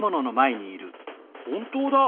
本当だ。